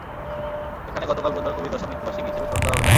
এখানে গতকাল বুধবার কবির দশম মৃত্যুবার্ষিকী হিসেবে স্মরণ করা হলো তাঁকে।